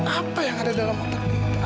apa yang ada dalam otak kita